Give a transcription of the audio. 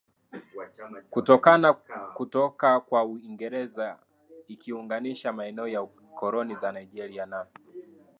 kutoka kwa Uingereza ikiunganisha maeneo ya koloni la Nigeria na